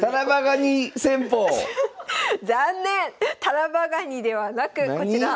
タラバガニではなくこちら。